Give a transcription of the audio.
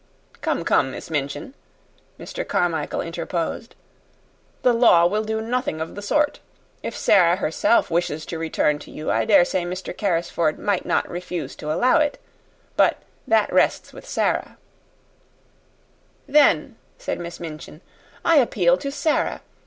"Come, come, Miss Minchin," Mr. Carmichael interposed, "the law will do nothing of the sort. If Sara herself wishes to return to you, I dare say Mr. Carrisford might not refuse to allow it. But that rests with Sara." "Then," said Miss Minchin, "I appeal to Sara.